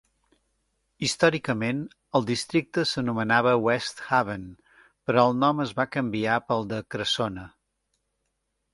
Històricament, el districte s'anomenava West Haven, però el nom es va canviar pel de Cressona.